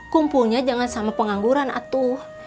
kumpulnya jangan sama pengangguran atuh